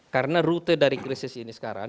karena rute dari krisis ini sekarang